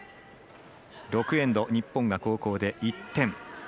６エンド日本が後攻で１点。